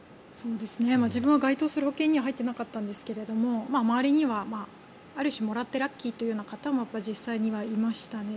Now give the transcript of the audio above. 自分は保険には入ってなかったんですが周りにはある種もらってラッキーという方も実際にはいましたね。